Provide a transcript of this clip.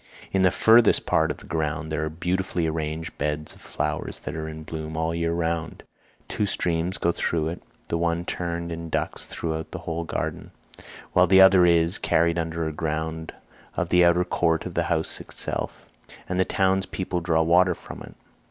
In the furthest part of the ground there are beautifully arranged beds of flowers that are in bloom all the year round. Two streams go through it, the one turned in ducts throughout the whole garden, while the other is carried under the ground of the outer court to the house itself, and the town's people draw water from it.